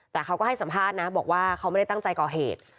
แต่เขาก็ให้สัมภาษณ์นะบอกว่าเขาไม่ได้ตั้งใจก่อเหตุ